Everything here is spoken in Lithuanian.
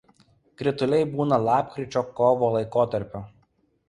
Krituliai būna lapkričio–kovo laikotarpiu.